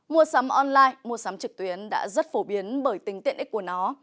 mua sắm online mua sắm trực tuyến đã rất phổ biến bởi tính tiện ích của nó